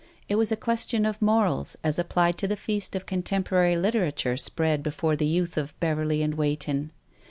It was a question of morals as applied to the feast of contemporary literature spread before the youth of Beverley and Weighton.